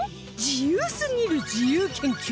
自由すぎる自由研究